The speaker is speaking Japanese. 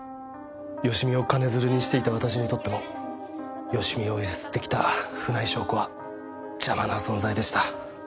芳美を金づるにしていた私にとって芳美を強請ってきた船井翔子は邪魔な存在でした。